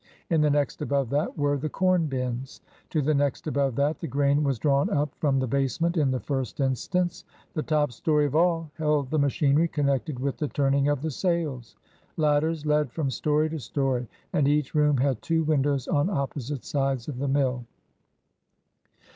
In the next above that were the corn bins. To the next above that the grain was drawn up from the basement in the first instance. The top story of all held the machinery connected with the turning of the sails. Ladders led from story to story, and each room had two windows on opposite sides of the mill.